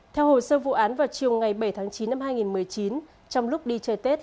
theo hồ sơ vụ án vào chiều ngày bảy tháng chín năm hai nghìn một mươi chín trong lúc đi chơi tết